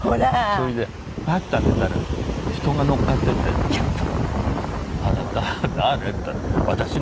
それでパッと開けたら人が乗っかっていて「あら誰？」って言ったら「私の車です」って。